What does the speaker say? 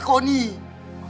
kau ini anak ayah